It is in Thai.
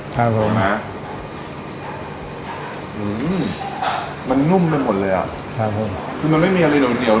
ครับผมฮะอืมมันนุ่มไปหมดเลยอ่ะครับผมคือมันไม่มีอะไรโด่งเดียว